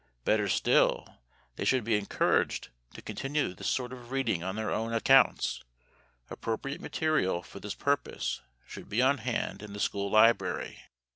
Better still, they should be encouraged to continue this sort of reading on their own accounts; appropriate material for this purpose should be on hand in the school library.